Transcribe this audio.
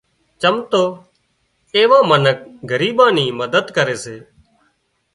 چم تو ايوان منک ڳريٻان نِي مدد ڪري سي